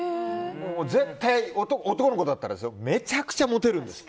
絶対男の子だったらめちゃくちゃモテるんです。